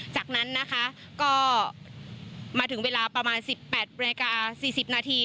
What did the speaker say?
จากนั้นมาถึงเวลาประมาณ๑๘นาที๔๐นาที